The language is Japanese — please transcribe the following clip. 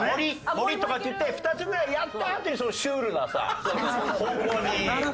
「森」とかって言って２つ目をやったあとにそのシュールな方向に。